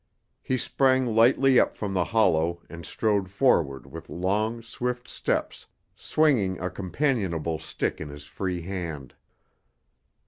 He sprang lightly up from the hollow and strode forward with long, swift steps, swinging a companionable stick in his free hand.